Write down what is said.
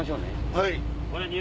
はい。